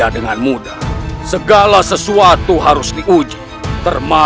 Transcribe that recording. dan sekuat apapun dia